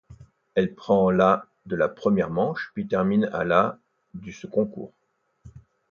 Elle prend la de la première manche, puis termine à la du concours.